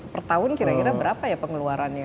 per tahun kira kira berapa ya pengeluarannya